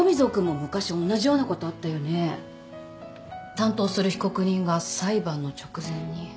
担当する被告人が裁判の直前に。